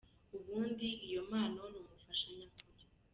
Ubundi iyo mpano ni umufasha nyakuri.